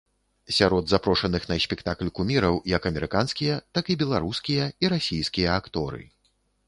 Сярод запрошаных на спектакль куміраў як амерыканскія, так і беларускія, і расійскія акторы.